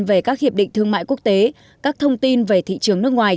về các hiệp định thương mại quốc tế các thông tin về thị trường nước ngoài